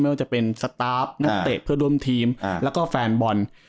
ว่าจะเป็นสตาร์ฟนักเตะเพื่อร่วมทีมแล้วก็แฟนบอล